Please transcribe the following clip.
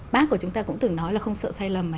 bác của chúng ta cũng từng nói là không sợ sai lầm